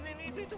ini ini itu itu